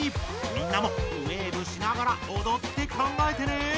みんなもウェーブしながらおどって考えてね！